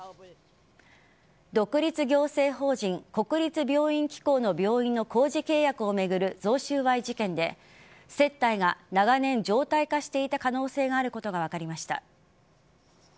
独立行政法人国立病院機構の病院の工事契約を巡る贈収賄事件で接待が長年常態化していた可能性があることが分かりました。